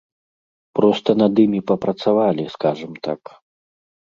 Проста над імі папрацавалі, скажам так.